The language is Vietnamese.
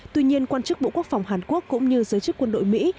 tuy nhiên quan chức bộ quốc phòng hàn quốc cũng như giới chức quân đội mỹ